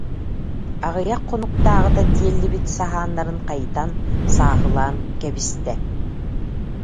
Аҕыйах хонуктааҕыта тиэллибит саһааннарын хайытан, сааһылаан кэбистэ.